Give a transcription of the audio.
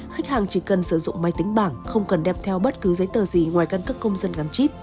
khách hàng chỉ cần sử dụng máy tính bảng không cần đem theo bất cứ giấy tờ gì ngoài căn cước công dân gắn chip